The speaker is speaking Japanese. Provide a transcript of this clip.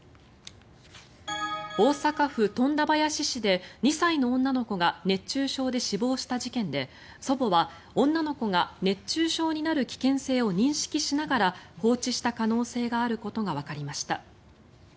大阪府富田林市で２歳の女の子が熱中症で死亡した事件で祖母は女の子が熱中症になる危険性を認識しながら放置した可能性があることがわかりました。